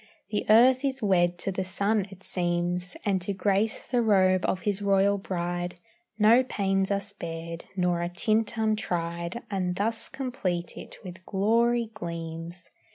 The earth is wed to the sun it seems, And to grace the robe of his royal bride No pains are spared, nor a tint untried, And thus complete it with glory gleams.